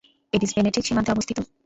এটি স্পেনের ঠিক সীমান্তে অবস্থিত।